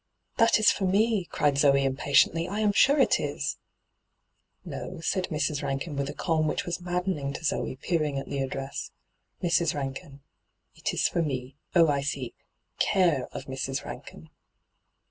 'That is for me,' cried Zoe impatiently; 'I am sure it is.' ' No,' said Mra. Rankin, with a calm which was maddenitjg to Zoe, peering at the address :'" Mrs. Bankin." It is for me. Oh, I see — Cflwe of Mrs. Rankin